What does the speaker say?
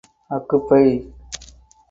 Occupy!